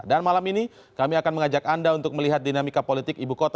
dan malam ini kami akan mengajak anda untuk melihat dinamika politik ibu kota